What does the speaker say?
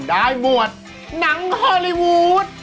หมวดหนังฮอลลี่วูด